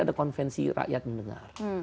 ada konvensi rakyat mendengar